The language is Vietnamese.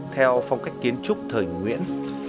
theo phong cách kiến trúc thời nguyễn